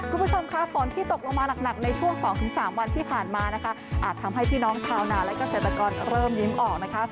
คุณผู้ชมค่ะฝนที่ตกลงมาหนักในช่วง๒๓วันที่ผ่านมานะคะอาจทำให้พี่น้องชาวนาและเกษตรกรเริ่มยิ้มออกนะคะ